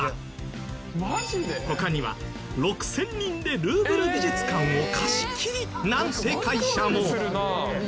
他には６０００人でルーブル美術館を貸し切りなんて会社も。